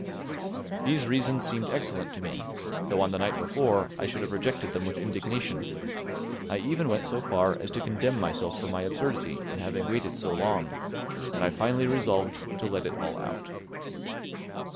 These reasons seemed excellent to me, though on the night before I should have rejected them with indignation; I even went so far as to condemn myself for my absurdity in having waited so long, and I finally resolved to let it all out.